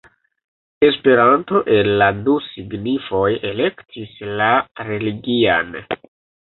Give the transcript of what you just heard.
Esperanto el la du signifoj elektis la religian.